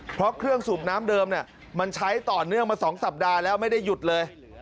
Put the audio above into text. เพราะเครื่องสูบน้ำเดิมมันใช้ต่อเนื่องมา๒สัปดาห์แล้วไม่ได้หยุดเลย